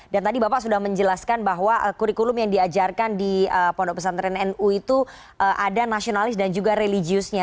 dan tadi bapak sudah menjelaskan bahwa kurikulum yang diajarkan di pondok pesantren nu itu ada nasionalis dan juga religiusnya